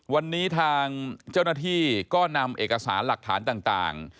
วันนี้ทางเจ้าหน้าที่ก็นำเอกสารหลักฐานต่าง